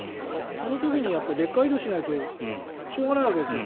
その時にレッカー移動しないとしょうがないわけですよ。